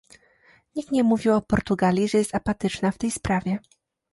Nikt nie mówił o Portugalii, że jest apatyczna w tej sprawie